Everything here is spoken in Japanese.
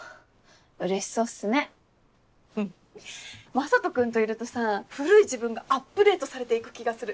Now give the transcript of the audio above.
雅人君といるとさ古い自分がアップデートされていく気がする。